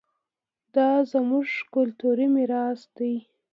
دا زموږ کلتوري ميراث دی.